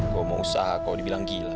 kau mau usaha kau dibilang gila